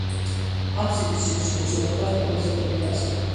აბსიდის ცენტრში და ჩრდილოეთ მხარეს ტრაპეზის ქვები დგას.